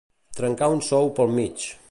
Trencar un sou pel mig.